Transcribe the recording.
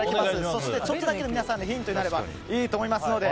そして、ちょっとだけ皆さんのヒントになればいいと思いますので。